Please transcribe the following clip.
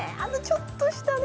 ちょっとしたね。